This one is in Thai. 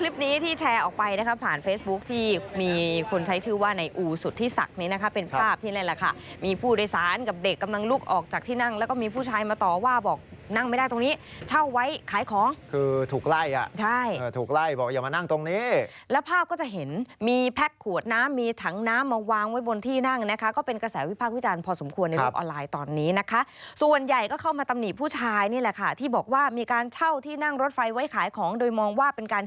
เป็นภาพที่นั่นแหละค่ะมีผู้โดยสารกับเด็กกำลังลุกออกจากที่นั่งแล้วก็มีผู้ชายมาต่อว่าบอกนั่งไม่ได้ตรงนี้เช่าไว้ขายของคือถูกไล่อ่ะใช่ถูกไล่บอกอย่ามานั่งตรงนี้แล้วภาพก็จะเห็นมีแพ็คขวดน้ำมีถังน้ำมาวางไว้บนที่นั่งนะคะก็เป็นกระแสวิภาควิจารณ์พอสมควรครับออนไลน์ตอนนี้นะคะ